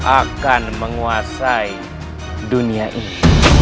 akan menguasai dunia ini